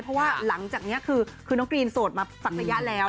เพราะว่าหลังจากนี้คือน้องกรีนโสดมาสักระยะแล้ว